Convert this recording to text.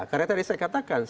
karena tadi saya katakan